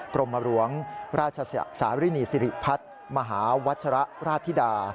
กรมหลวงราชสารินีสิริพัฒน์มหาวัชระราชธิดา